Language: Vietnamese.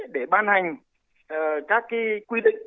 để ban hành các quy định